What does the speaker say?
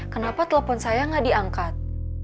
kenapa telepon saya gak diangkat